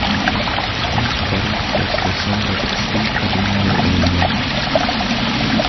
Ramsbottom was the son of a steam cotton mill owner.